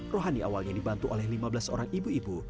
rohani awalnya dibantu oleh lima belas orang ibu ibu